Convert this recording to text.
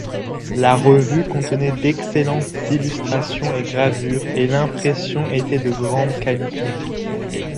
La revue contenait d'excellentes illustrations et gravures, et l'impression était de grande qualité.